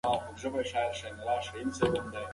موږ له ډېر پخوا راهیسې په دې خاوره کې مېشت یو.